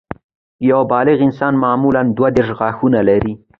یو بالغ انسان معمولاً دوه دیرش غاښونه لري